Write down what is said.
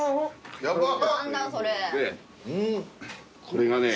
これがね